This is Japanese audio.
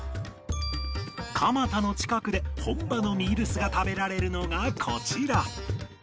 蒲田の近くで本場のミールスが食べられるのがこちら